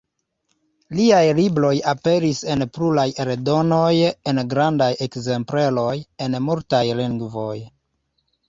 Liaj libroj aperis en pluraj eldonoj en grandaj ekzempleroj, en multaj lingvoj.